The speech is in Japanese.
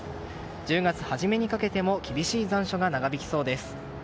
１０月初めにかけても厳しい残暑が長引きそうです。